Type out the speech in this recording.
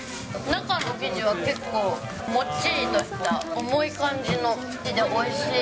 中の生地は結構もっちりとした重い感じの生地でおいしい。